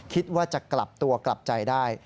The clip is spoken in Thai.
คิดว่าจะกลับตัวกลับใจได้